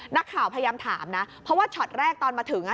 นักข่าวพยายามถามนะเพราะว่าช็อตแรกตอนมาถึง